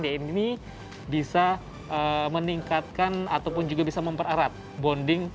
dm ini bisa meningkatkan ataupun juga bisa memperarat bonding